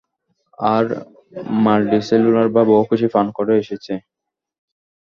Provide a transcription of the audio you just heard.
আর multicellular বা বহুকোষী প্রাণ কবে এসেছে?